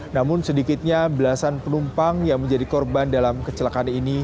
namun sedikitnya belasan penumpang yang menjadi korban dalam kecelakaan ini